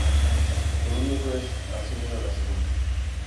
Los dos mejores ascienden a la Segunda.